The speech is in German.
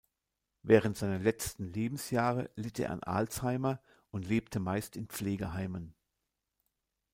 Während seiner letzten Lebensjahre litt er an Alzheimer und lebte meist in Pflegeheimen.